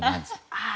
ああ。